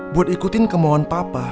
buat ikutin kemauan papa